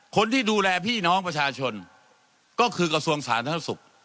คนที่ดูแลพี่น้องประชาชนก็คือกระทรวงสาธารณสุข